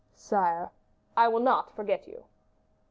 "Sire " "I will not forget you."